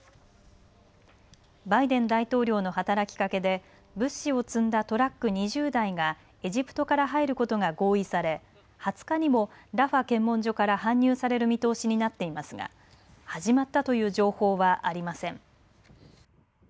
バイデン大統領の働きかけで物資を積んだトラック２０台がエジプトから入ることが合意され２０日にもラファ検問所から搬入される見通しになっていますが始まったという情報はありません。